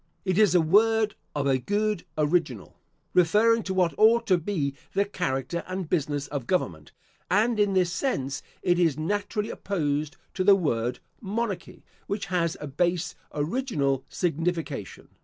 It is a word of a good original, referring to what ought to be the character and business of government; and in this sense it is naturally opposed to the word monarchy, which has a base original signification.